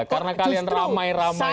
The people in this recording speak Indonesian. karena kalian ramai ramai